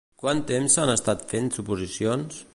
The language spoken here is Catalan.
Quant temps s'han estat fent suposicions?